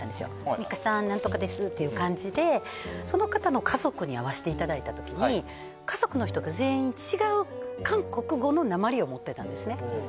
「ミカさん何とかです」っていう感じでその方の家族に会わせていただいたときに家族の人が全員違う韓国語のなまりを持ってたんですね